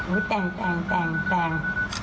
อุ้ยแต่งแต่งแต่งแต่ง